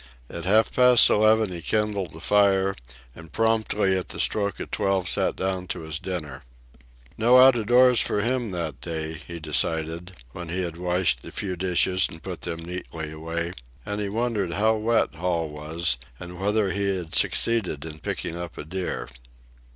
At half past eleven he kindled a fire, and promptly at the stroke of twelve sat down to his dinner. No out of doors for him that day, he decided, when he had washed the few dishes and put them neatly away; and he wondered how wet Hall was and whether he had succeeded in picking up a deer.